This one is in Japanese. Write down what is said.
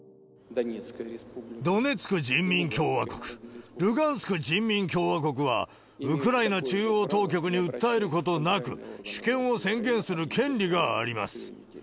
ドネツク人民共和国、ルガンスク人民共和国は、ウクライナ中央当局に訴えることなく、主権を宣言する権利があります。